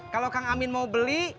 kalau kang amin mau beli